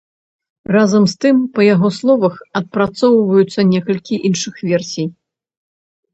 Разам з тым, па яго словах, адпрацоўваюцца некалькі іншых версій.